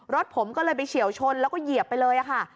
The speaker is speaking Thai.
รถผมก็เลยไปเฉียวชนแล้วก็เหยียบไปเลยค่ะ